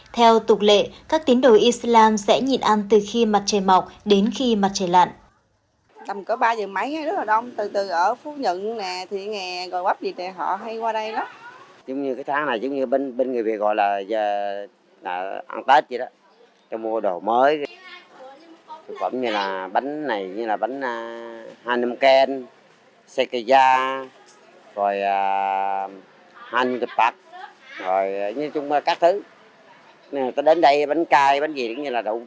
theo tục lệ các tín đồ islam sẽ nhịn ăn từ khi mặt trời mọc đến khi mặt trời lặn